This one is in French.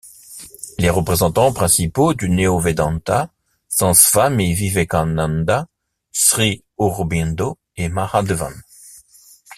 Les représentants principaux du néo-védanta sont Swami Vivekananda, Shri Aurobindo et Mahadevan.